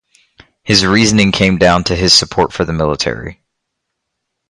His reasoning came down to his support for the military.